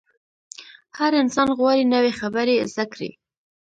هر انسان غواړي نوې خبرې زده کړي.